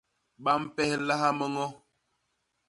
Ba mpéhlaha miño.